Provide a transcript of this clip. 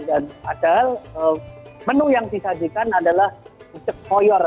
dan padahal menu yang disajikan adalah bucek koyor